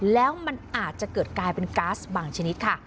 แล้วมันอาจจะเกิดกลายเป็นก๊าซบางชนิดค่ะ